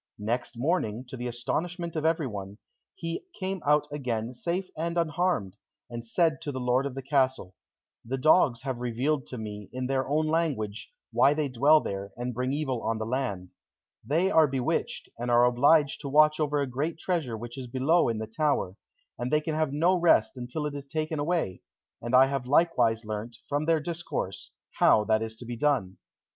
Next morning, to the astonishment of everyone, he came out again safe and unharmed, and said to the lord of the castle, "The dogs have revealed to me, in their own language, why they dwell there, and bring evil on the land. They are bewitched, and are obliged to watch over a great treasure which is below in the tower, and they can have no rest until it is taken away, and I have likewise learnt, from their discourse, how that is to be done."